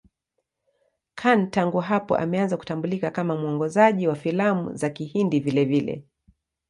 Khan tangu hapo ameanza kutambulika kama mwongozaji wa filamu za Kihindi vilevile.